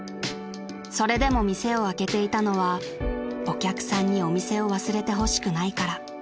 ［それでも店を開けていたのはお客さんにお店を忘れてほしくないから］